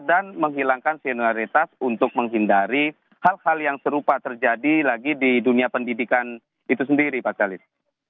dan menghilangkan senioritas untuk menghindari hal hal yang serupa terjadi lagi di dunia pendidikan itu sendiri pak kalis